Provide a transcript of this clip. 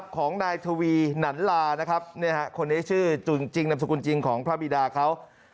ของนายทวีหนันลานะครับคนนี้ชื่อจริงนามสกุลจริงของพระบิดาเขา